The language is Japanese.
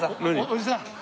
おじさん。